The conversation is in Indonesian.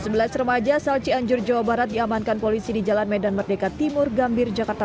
sebelah seremaja salcianjur jawa barat diamankan polisi di jalan medan merdeka timur gambir jakarta